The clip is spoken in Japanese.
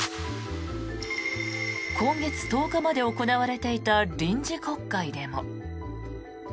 今月１０日まで行われていた臨時国会でも。